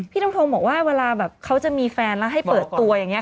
น้ำทงบอกว่าเวลาแบบเขาจะมีแฟนแล้วให้เปิดตัวอย่างนี้